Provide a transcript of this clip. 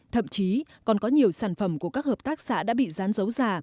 thậm chí còn có nhiều sản phẩm của các hợp tác xã đã bị rán dấu giả